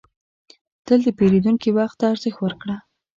تل د پیرودونکي وخت ته ارزښت ورکړه.